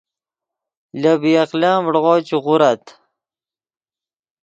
لے بی عقلن ڤڑغو چے غورت